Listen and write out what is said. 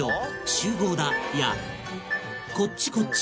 「集合だ！」や「こっちこっち！」